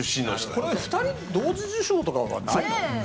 これ２人同時受賞とかはないの？